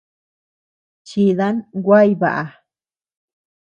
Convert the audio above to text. Chidan guay baʼa.